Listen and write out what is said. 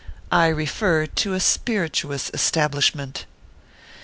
I refer to a spirituous establishment.